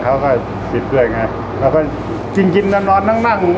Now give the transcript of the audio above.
สวัสดีครับผมชื่อสามารถชานุบาลชื่อเล่นว่าขิงถ่ายหนังสุ่นแห่ง